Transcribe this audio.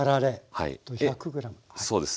そうです。